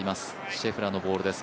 シェフラーのボールです。